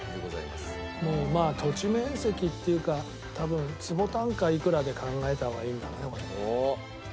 まあ土地面積っていうか多分坪単価いくらで考えた方がいいんだねこれ。